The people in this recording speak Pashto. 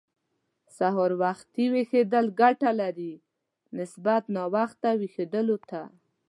سهار وخته ويښېدل ګټه لري، نسبت ناوخته ويښېدو ته.